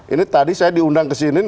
ini tadi saya diundang kesinin